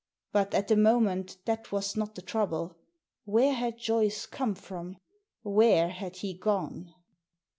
But, at the moment, that was not the trouble. Where had Joyce come from ? Where had he gone